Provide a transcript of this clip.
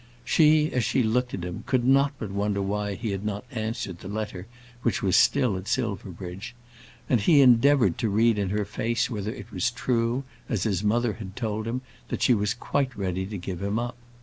She, as she looked at him, could not but wonder why he had not answered the letter which was still at Silverbridge; and he endeavoured to read in her face whether it was true, as his mother had told him, that she was quite ready to give him up.